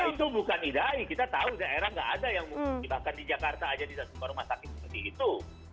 itu bukan idai kita tahu daerah nggak ada yang mudik bahkan di jakarta saja tidak semua rumah sakit seperti itu